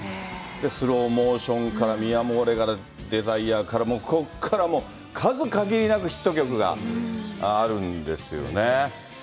スローモーションからミ・アモーレから、デザイアから、ここからもう数限りなくヒット曲があるんですよね。